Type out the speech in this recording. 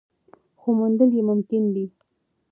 خو موندل یې ممکن دي.